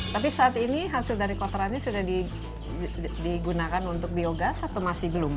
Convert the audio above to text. tapi saat ini hasil dari kotorannya sudah digunakan untuk biogas atau masih belum